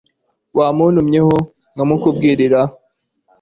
wamuntumyeho nkamukubwirira